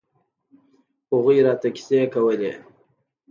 هغوى راته کيسې کولې.